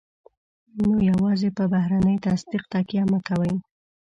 نو يوازې پر بهرني تصديق تکیه مه کوئ.